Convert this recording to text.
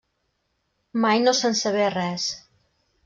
Mai no se'n sabé res.